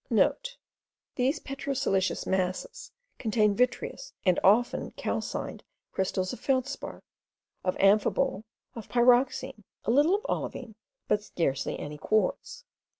(* These petrosiliceous masses contain vitreous and often calcined crystals of feldspar, of amphibole, of pyroxene, a little of olivine, but scarcely any quartz.